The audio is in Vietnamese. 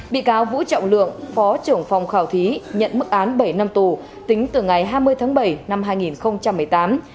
bị cáo vũ trọng lượng phó trưởng phòng khảo thí nhận mức án bảy năm tù tính từ ngày hai mươi tháng bảy năm hai nghìn một mươi tám